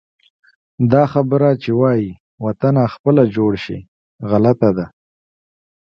دا خبره چې وایي: وطنه خپله جوړ شي، غلطه ده.